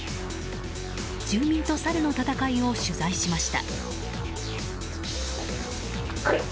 住民とサルの戦いを取材しました。